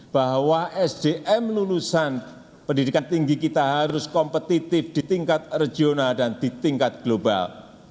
bahwa sdm lulusan pendidikan tinggi kita harus kompetitif di tingkat regional dan di tingkat global